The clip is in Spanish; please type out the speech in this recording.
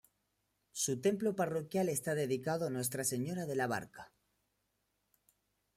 Su templo parroquial está dedicado a Nuestra Señora de la Barca.